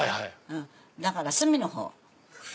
だから隅のほう。